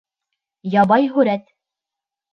Ябай һүрәт.